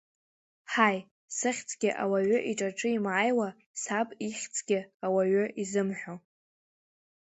Ҳаи, сыхьӡгьы ауаҩы иҿаҿы имааиуа, саб ихьӡгьы уаҩы изымҳәо…